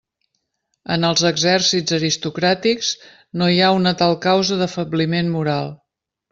En els exèrcits aristocràtics no hi ha una tal causa d'afebliment moral.